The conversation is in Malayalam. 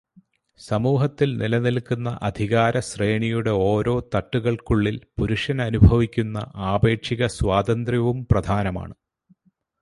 സമൂഹത്തിൽ നിലനിൽക്കുന്ന അധികാരശ്രേണിയുടെ ഓരോ തട്ടുകൾക്കുള്ളിൽ പുരുഷൻ അനുഭവിക്കുന്ന ആപേക്ഷികസ്വാതന്ത്ര്യവും പ്രധാനമാണ്.